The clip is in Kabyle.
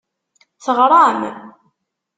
Teɣṛam?